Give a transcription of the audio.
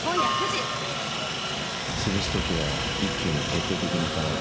潰す時は一気に徹底的にいかないと。